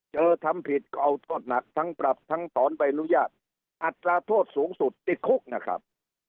ทำผิดก็เอาโทษหนักทั้งปรับทั้งถอนใบอนุญาตอัตราโทษสูงสุดติดคุกนะครับ